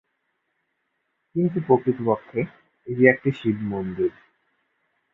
কিন্তু প্রকৃতপক্ষে এটি একটি শিব মন্দির।